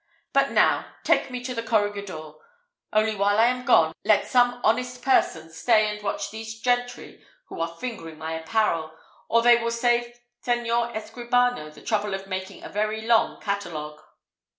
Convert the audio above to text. But now, take me to the corregidor; only, while I am gone, let some honest person stay and watch these gentry who are fingering my apparel, or they will save Senor Escribano the trouble of making a very long catalogue."